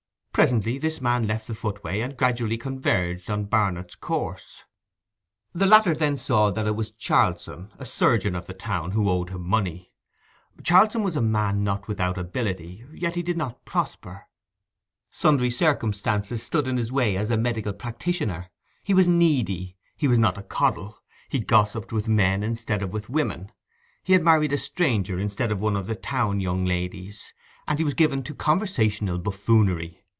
Presently this man left the footway, and gradually converged on Barnet's course. The latter then saw that it was Charlson, a surgeon of the town, who owed him money. Charlson was a man not without ability; yet he did not prosper. Sundry circumstances stood in his way as a medical practitioner: he was needy; he was not a coddle; he gossiped with men instead of with women; he had married a stranger instead of one of the town young ladies; and he was given to conversational buffoonery.